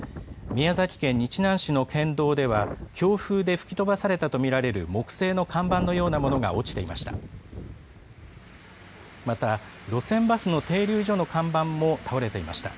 宮崎県日南市の県道では、強風で吹き飛ばされたと見られる木製の看板のようなものが落ちていました。